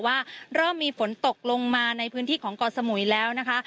ว่าเริ่มมีฝนตกลงมาในพื้นที่ของเกาะสมุยแล้วนะคะ